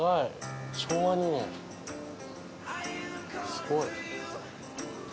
すごい。